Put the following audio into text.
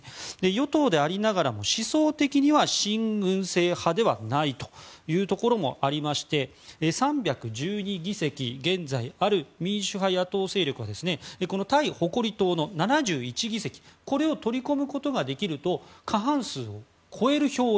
与党でありながらも思想的には親軍政派ではないというところもありまして３１２議席現在ある民主派野党がこのタイ誇り党の７１議席これを取り込むことができると過半数を超える票を